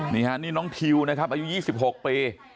นี่ฮะนี่น้องทิวนะครับอายุ๒๖ปี